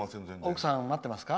奥さんは待ってますか？